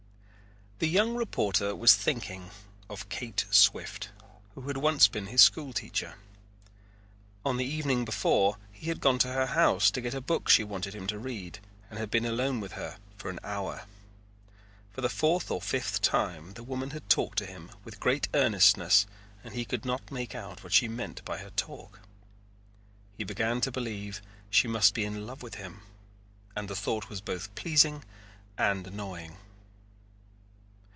The young reporter was thinking of Kate Swift, who had once been his school teacher. On the evening before he had gone to her house to get a book she wanted him to read and had been alone with her for an hour. For the fourth or fifth time the woman had talked to him with great earnestness and he could not make out what she meant by her talk. He began to believe she must be in love with him and the thought was both pleasing and annoying.